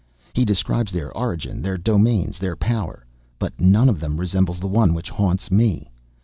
He describes their origin, their domains, their power; but none of them resembles the one which haunts me.